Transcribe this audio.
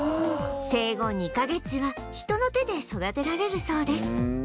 生後２カ月は人の手で育てられるそうです